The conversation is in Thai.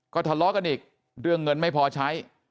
ก็ทะเลาะกันอีกเรื่องเงินไม่พอใช้